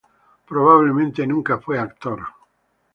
Probablemente nunca fue actor.